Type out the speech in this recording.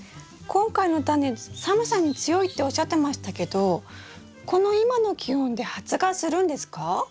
今回のタネ寒さに強いっておっしゃってましたけどこの今の気温で発芽するんですか？